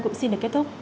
cũng xin được kết thúc